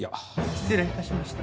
失礼致しました。